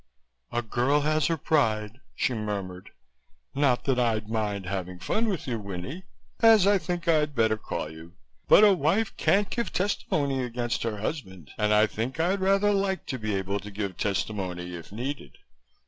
"A girl has her pride," she murmured. "Not that I'd mind having fun with you, Winnie as I think I'd better call you. But a wife can't give testimony against her husband and I think I'd rather like to be able to give testimony if needed.